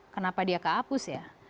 kenapa dia kehapus ya